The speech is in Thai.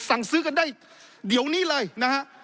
สั่งซื้อกันได้เดี๋ยวนี้เลยนะฮะ